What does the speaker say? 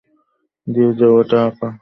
দিয়ে দাও ওটা, আপা।